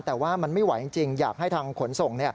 แต่ว่ามันไม่ไหวจริงอยากให้ทางขนส่ง